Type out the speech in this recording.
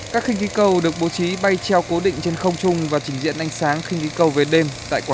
các khinh khí cầu được bố trí bay treo cố định trên không trung và chỉnh diện ánh sáng khinh khí cầu